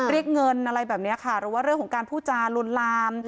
เรียกเงินอะไรแบบนี้ค่ะหรือว่าเรื่องของการพูดจาลวนลาม